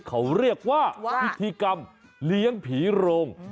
เขาเรียกว่าพิธีกรรมเลี้ยงผีโรง